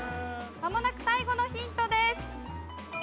まもなく最後のヒントです。